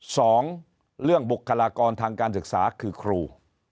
สองเรื่องบุคลากรทางการศึกษาคือครู